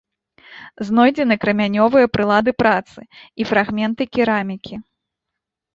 Знойдзены крамянёвыя прылады працы і фрагменты керамікі.